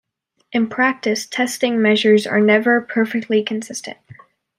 In practice, testing measures are never perfectly consistent.